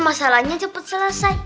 masalahnya cepet selesai